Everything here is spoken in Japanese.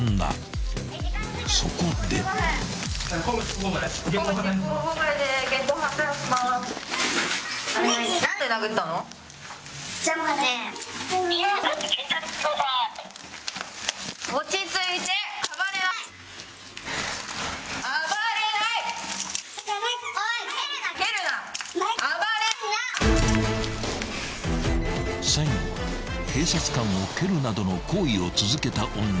［最後は警察官を蹴るなどの行為を続けた女］